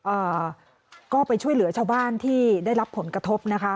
อ่าก็ไปช่วยเหลือชาวบ้านที่ได้รับผลกระทบนะคะ